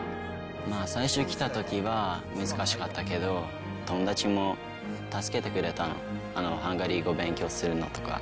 最初来たときは難しかったけど、友達も助けてくれたの、ハンガリー語勉強するのとか。